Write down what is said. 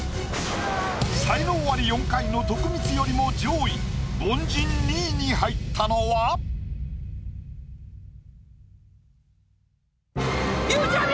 才能アリ４回の徳光よりも上位凡人２位に入ったのは⁉ゆうちゃみ！